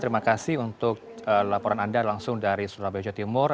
terima kasih untuk laporan anda langsung dari surabaya jawa timur